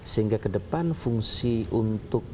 sehingga kedepan fungsi untuk